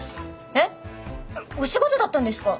えっお仕事だったんですか？